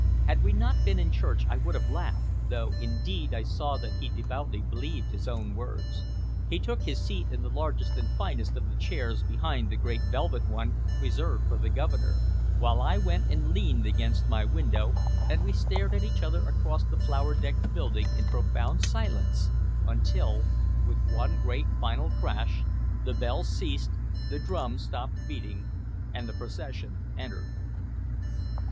Had we not been in church I would have laughed, though indeed I saw that he devoutly believed his own words. He took his seat in the largest and finest of the chairs behind the great velvet one reserved for the Governor, while I went and leaned against my window, and we stared at each other across the flower decked building in profound silence, until, with one great final crash, the bells ceased, the drum stopped beating, and the procession entered.